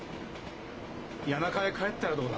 谷中へ帰ったらどうだ？